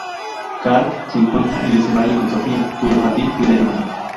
Karl se encuentra en ese valle con Sofia, cuyo jardín cuida Jonatan.